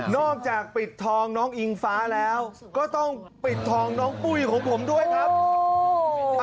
อกจากปิดทองน้องอิงฟ้าแล้วก็ต้องปิดทองน้องปุ้ยของผมด้วยครับ